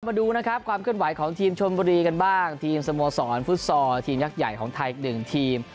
มาดูนะครับความเคลื่อนไหวของทีมชนบุรีกันบ้างทีมสโมสรฟุตซอลทีมยักษ์ใหญ่ของไทยอีกหนึ่งทีม